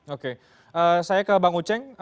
oke saya ke bang uceng